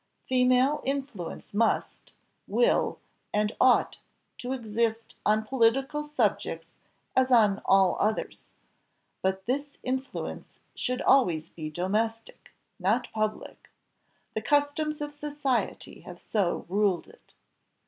Female influence must, will, and ought to exist on political subjects as on all others; but this influence should always be domestic, not public the customs of society have so ruled it.